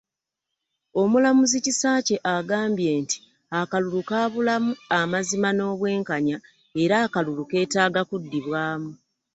Omulamuzi Kisakye agambye nti akalulu kaabulamu amazima n’obwenkanya era akalulu keetaaga kuddibwamu.